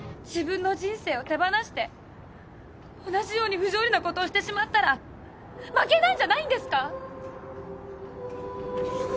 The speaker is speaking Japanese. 自分の人生を手放して同じように不条理なことをしてしまったら負けなんじゃないんですか？